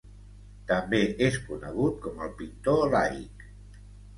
També és conegut com el pintor laic.